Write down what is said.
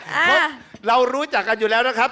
เพราะเรารู้จักกันอยู่แล้วนะครับ